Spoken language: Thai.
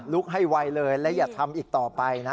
ให้ไวเลยและอย่าทำอีกต่อไปนะ